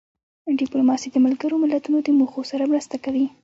ډیپلوماسي د ملګرو ملتونو د موخو سره مرسته کوي.